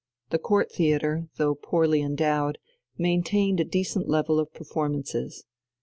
The Court Theatre, though poorly endowed, maintained a decent level of performances.